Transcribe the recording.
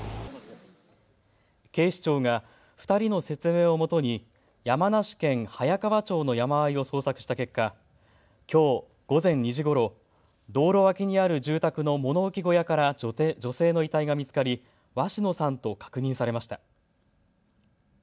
警視庁が２人の説明をもとに山梨県早川町の山あいを捜索した結果、きょう午前２時ごろ、道路脇にある住宅の物置小屋から女性の遺体が見つかり鷲野さんと確認されました。